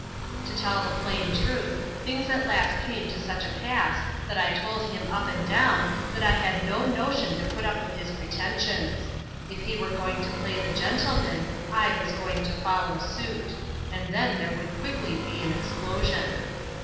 To tell the plain truth, things at last came to suck a pass^ that I told him, up and down, that I had no notion to put up with his pretensions ; if he were going to play the gentlemany I was going to follow suit ; and then there would quickly be an explosion.